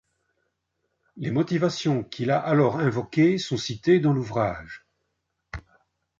Les motivations qu'il a alors invoquées sont citées dans l'ouvrage '.